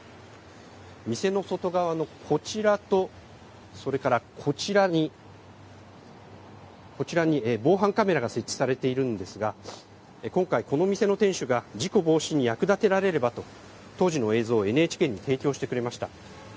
店の外側のこちらと、それからこちらに防犯カメラが設置されているんですが、今回、この店の店主が事故防止に役立てられればと当時の映像をＮＨＫに提供してくれました。